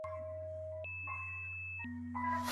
د افغانستان په سیاسي ډیپلوماسۍ کي د وګړو حقونه نه لومړیتوب لري.